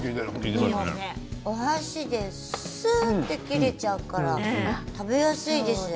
お箸ですっと切れちゃうから食べやすいです。